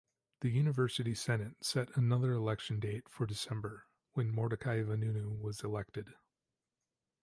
The University Senate set another election date for December, when Mordechai Vanunu was elected.